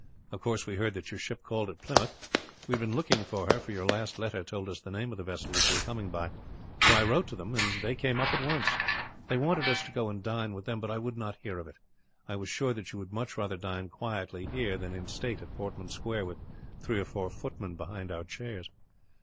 Of course, we heard when your ship called at Plymouth. We had been looking for her, for your last letter told us the name of the vessel that you were coming by; so I wrote to them, and they came up at once. They wanted us to go and dine with them, but I would not hear of it. I was sure that you would much rather dine quietly, here, than in state in Portman Square, with three or four footmen behind our chairs."